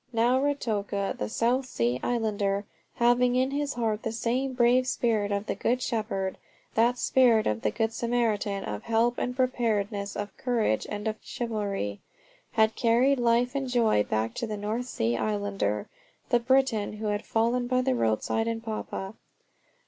Now Ruatoka, the South Sea islander, having in his heart the same brave spirit of the Good Shepherd that spirit of the Good Samaritan, of help and preparedness, of courage and of chivalry, had carried life and joy back to the North Sea islander, the Briton who had fallen by the roadside in Papua.